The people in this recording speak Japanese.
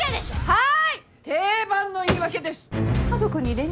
はい！